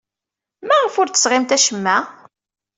Maɣef ur d-tesɣimt acemma?